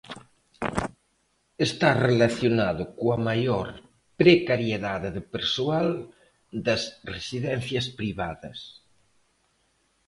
Está relacionado coa maior precariedade de persoal das residencias privadas.